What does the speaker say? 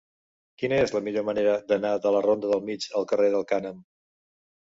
Quina és la millor manera d'anar de la ronda del Mig al carrer del Cànem?